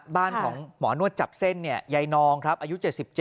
บ้านของหมอนวดจับเส้นยายนองครับอายุ๗๗